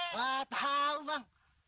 wah tahu bang